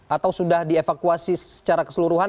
atau sudah dievakuasi secara keseluruhan